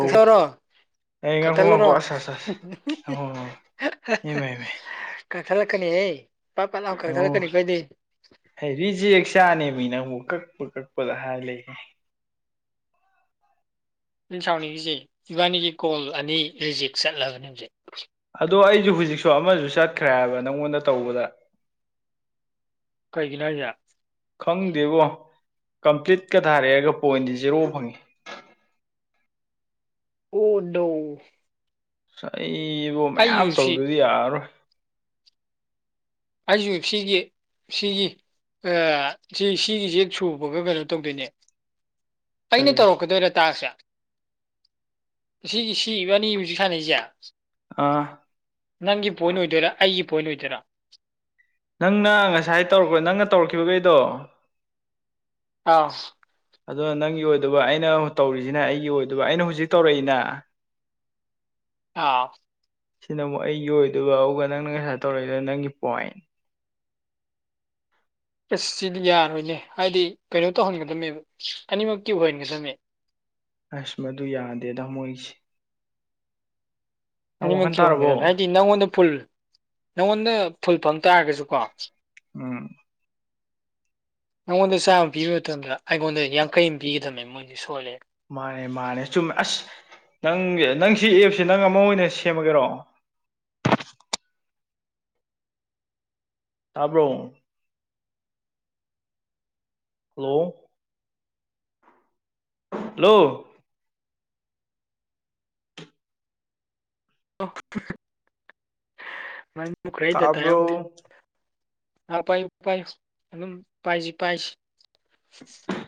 ꯀꯁꯣꯔꯣ꯫ ꯑꯩ ꯉꯥꯏꯈꯣ ꯀꯛꯊꯠꯂꯣꯔꯣ? ꯉꯥꯏꯈꯣ ꯑꯁ ꯑꯁ ꯑꯁ ꯉꯥꯏꯈꯣ ꯉꯥꯏꯈꯣ [unintelligible] ꯏꯃꯥꯏ ꯏꯃꯥꯏ ꯀꯛꯊꯠꯂꯛꯀꯅꯤꯍꯦ ꯄꯠ ꯄꯠꯂꯥꯎ ꯀꯛꯊꯠꯂꯛꯀꯅꯤ ꯑꯣ ꯀꯣ ꯑꯩꯗꯤ꯫ ꯔꯤꯖꯦꯛ ꯆꯥꯅꯦꯃꯤ ꯅꯪꯕꯨ ꯀꯛꯄ ꯀꯛꯄꯗ ꯍꯥꯏꯔ ꯂꯩ꯫ ꯑꯩꯅ ꯁꯥꯎꯅꯤꯡꯉꯤꯁꯦ ꯏꯕꯥꯅꯤꯒꯤ ꯀꯣꯜ ꯑꯅꯤ ꯔꯤꯖꯦꯛ ꯆꯠꯂꯕꯅꯦ ꯍꯧꯖꯤꯛ꯫ ꯑꯗꯣ ꯑꯩꯁꯨ ꯍꯧꯖꯤꯛꯁꯨ ꯑꯃꯁꯨ ꯆꯠꯈ꯭ꯔꯦ ꯍꯥꯏꯕ ꯅꯪꯉꯣꯟꯗ ꯇꯧꯕꯗ꯫ ꯀꯩꯒꯤꯅꯣ ꯍꯥꯏꯁꯦ? ꯈꯪꯗꯦꯕꯣ ꯀꯝꯄ꯭ꯂꯤꯠꯀ ꯊꯥꯔꯛꯑꯒ ꯄꯣꯏꯟꯗꯤ ꯖꯦꯔꯣ ꯐꯪꯉꯤ꯫ ꯑꯣ ꯅꯣ꯫ ꯑꯩ ꯏꯕꯣ ꯃꯌꯥꯝ ꯑꯩꯁꯨ ꯁꯤ ꯇꯧꯗꯗꯤ ꯌꯥꯔꯔꯣꯏ꯫ ꯑꯩꯁꯨ ꯁꯤꯒꯤ ꯁꯤꯒꯤ, ꯑꯦ ꯁꯤ ꯁꯤꯒꯤꯁꯦ ꯁꯨꯕꯒ ꯀꯩꯅꯣ ꯇꯧꯗꯣꯏꯅꯦ꯫ ꯑꯩꯅ ꯀꯔꯤ ꯇꯧꯔꯛꯀꯗꯣꯏꯔꯥ ꯇꯥꯛꯁꯁꯦ? ꯁꯤꯒꯤ ꯁꯤ ꯏꯕꯥꯅꯤ ꯍꯧꯖꯤꯛ ꯁꯥꯅꯩꯁꯦ, ꯑꯥ ꯅꯪꯒꯤ ꯄꯣꯏꯟ ꯑꯣꯏꯗꯣꯏꯔꯥ ꯑꯩꯒꯤ ꯄꯣꯏꯟ ꯑꯣꯏꯗꯣꯏꯔꯥ? ꯅꯪꯅ ꯉꯁꯥꯏ ꯇꯧꯔꯛꯄ ꯅꯪꯅ ꯇꯧꯔꯛꯈꯤꯕꯈꯩꯗꯣ, ꯑꯥ ꯑꯗꯨ ꯅꯪꯒꯤ ꯑꯣꯏꯗꯕ ꯑꯩꯅ ꯇꯧꯔꯤꯁꯤꯅ ꯑꯩꯒꯤ ꯑꯣꯏꯗꯕ ꯑꯩꯅ ꯍꯧꯖꯤꯛ ꯇꯧꯔꯛꯏꯅ? [inaudible] ꯑꯥꯎ꯫ ꯁꯤꯅ ꯑꯃꯨꯛ ꯑꯩꯒꯤ ꯑꯣꯏꯗꯨꯕ ꯑꯧꯒ ꯅꯪꯅ ꯉꯁꯥꯏ ꯇꯧꯔꯛꯏꯗꯣ ꯅꯪꯒꯤ ꯄꯣꯏꯟ꯫ ꯑꯁ ꯁꯤꯗꯤ ꯌꯥꯔꯣꯏꯅꯦ ꯍꯥꯏꯗꯤ ꯀꯩꯅꯣ ꯇꯧꯍꯟꯒꯗꯅꯦꯕ ꯑꯅꯤꯃꯛꯀꯤ ꯑꯣꯏꯍꯟꯒꯗꯕꯅꯦ꯫ ꯑꯁ ꯃꯗꯨ ꯌꯥꯗꯦ ꯇꯃꯣꯏꯒꯤꯁꯦ꯫ ꯋꯥꯈꯜ ꯑꯅꯤꯃꯛꯀꯤ ꯑꯣꯏꯍꯟꯒꯗꯕꯅꯦ ꯇꯥꯔꯕꯣ ꯍꯥꯏꯗꯤ ꯅꯪꯉꯣꯟꯗ ꯐꯨꯜ ꯅꯪꯉꯣꯟꯗ ꯐꯨꯜ ꯐꯪ ꯇꯥꯔꯒꯁꯨ ꯀꯣ, ꯎꯝ ꯅꯉꯣꯟꯗ ꯆꯥꯝꯃ ꯄꯤꯕ ꯃꯇꯝꯗ ꯑꯩꯉꯣꯟꯗ ꯌꯥꯡꯈꯩ ꯑꯃ ꯄꯤꯒꯗꯕꯅꯦ ꯃꯣꯏꯁꯦ ꯁꯣꯏꯔꯦ꯫ ꯃꯥꯅꯦ ꯃꯥꯅꯦ ꯆꯨꯝꯃꯦ ꯑꯁ ꯅꯪ ꯅꯪ ꯁꯤ ꯑꯦꯞꯁꯦ ꯅꯪ ꯑꯃ ꯑꯣꯏꯅ ꯁꯦꯝꯃꯒꯦꯔꯣ? ꯇꯥꯕ꯭ꯔꯣ? ꯍꯜꯂꯣ! ꯍꯜꯂꯣ! ꯃꯩ ꯃꯨꯠꯈ꯭ꯔꯦ ꯗꯇꯥ ꯇꯥꯕ꯭ꯔꯣ ꯌꯥꯎꯗꯦ꯫ ꯑꯥ ꯄꯥꯏꯌꯨ ꯄꯥꯏꯌꯨ ꯑꯗꯨꯝ ꯄꯥꯏꯁꯤ ꯄꯥꯏꯁꯤ꯫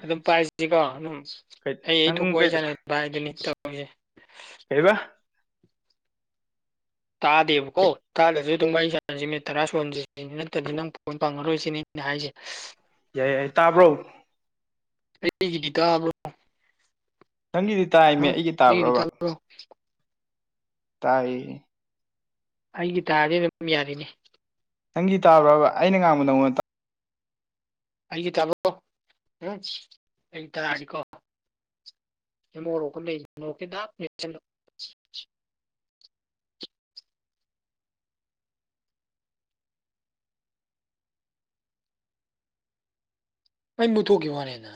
ꯑꯗꯨꯝ ꯄꯥꯏꯁꯤꯀꯣ ꯑꯗꯨꯝ ꯀꯩ ꯑꯩ ꯑꯩ ꯅꯪ ꯊꯣꯛꯄ ꯀꯩ ꯋꯥꯔꯤ ꯁꯥꯟꯅꯕ ꯄꯥꯏꯗꯨꯅꯤ ꯇꯧꯔꯤꯁꯦ꯫ ꯀꯔꯤꯕ? ꯇꯥꯗꯦꯕ ꯀꯣ ꯇꯥꯗ꯭ꯔꯥꯁꯨ ꯑꯗꯨ ꯋꯥꯔꯤ ꯁꯥꯟꯅꯁꯤ ꯃꯤꯅꯤꯠ ꯇꯔꯥ ꯁꯨꯍꯟꯁꯤ ꯅꯠꯇ꯭ꯔꯗꯤ ꯅꯪ ꯄꯣꯏꯟ ꯍꯪꯉꯔꯣꯏꯁꯤꯅꯦ ꯑꯩꯅ ꯍꯥꯏꯔꯤꯁꯦ꯫ ꯌꯥꯏ ꯌꯥꯏ ꯇꯥꯕ꯭ꯔꯣ? ꯑꯩꯒꯤꯗꯤ ꯇ꯭ꯥꯕꯔꯣ? ꯅꯪꯒꯤꯗꯤ ꯇꯥꯏ꯫ ꯑꯩꯒꯤꯗꯤ ꯇꯕ꯭ꯔꯣ? ꯇꯥꯏ꯫ ꯑꯩꯒꯤ ꯇꯥꯔꯗꯤ ꯑꯗꯨꯝ ꯌꯥꯔꯤꯅꯦ꯫ ꯅꯪꯒꯤ ꯇꯥꯕ꯭ꯔꯥꯕ ꯑꯩꯅ ꯉꯥꯡꯕ ꯅꯉ‌ꯣꯟꯗ ꯇꯥ ꯑꯩꯒꯤ ꯇꯥꯃꯣ ꯎꯝ ꯑꯩ ꯇꯔꯥ ꯅꯤꯀꯣ ꯗ ꯃ‌ꯣꯔꯣꯀ ꯀ ꯂꯩꯖꯤ ꯃ‌ꯣꯔ‌ꯣꯀ ꯇꯤ ꯗꯥꯝ ꯃ‌ꯦꯠꯁꯜꯂ‌ꯣ ꯃꯩ ꯃꯨꯠꯊꯣꯛꯈꯤ ꯋꯥꯅꯤꯅ